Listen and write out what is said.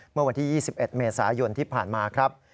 เมื่อวันที่๒๑เมษายนที่ผ่านมาครับ